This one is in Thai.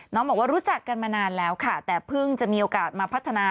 น้องบอกว่ารู้จักกันมานานแล้วค่ะแต่เพิ่งจะมีโอกาสมาพัฒนา